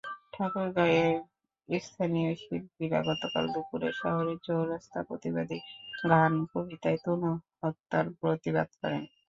ঠাকুরগাঁওয়ের স্থানীয় শিল্পীরা গতকাল দুপুরে শহরের চৌরাস্তায় প্রতিবাদী গান-কবিতায় তনু হত্যার প্রতিবাদ করেন।